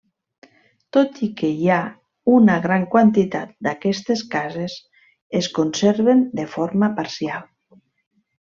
Tot i que hi ha una gran quantitat d’aquestes cases, es conserven de forma parcial.